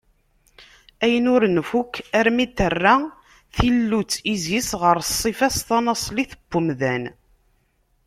Ayen ur nfukk armi t-terra tillut Izis ɣer ṣṣifa-s tanaṣlit n wemdan.